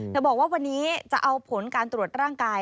บอกว่าวันนี้จะเอาผลการตรวจร่างกาย